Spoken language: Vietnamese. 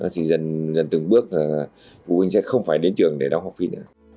thì dần dần từng bước là phụ huynh sẽ không phải đến trường để đóng học phí nữa